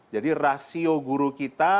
jadi rasio guru kita